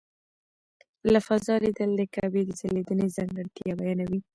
له فضا لیدل د کعبې د ځلېدنې ځانګړتیا بیانوي.